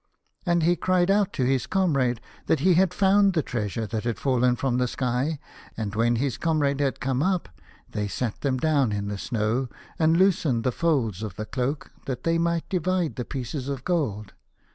And he cried out to his comrade that he had found the treasure that had fallen from the sky, and when his comrade had come up, they sat them down in the snow, and loosened the folds of the cloak that they might divide the pieces of gold.